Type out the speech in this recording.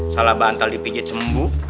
salah bantal dipijit sembuh